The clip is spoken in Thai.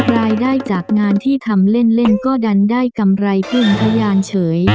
รายได้จากงานที่ทำเล่นก็ดันได้กำไรพึ่งพยานเฉย